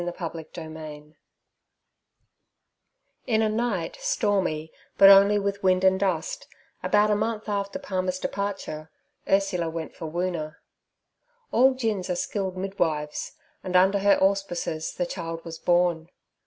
Chapter 15 IN a night stormy but only with wind and dust, about a month after Palmer's departure, Ursula went for Woona. All gins are skilled midwives, and under her auspices the child was born.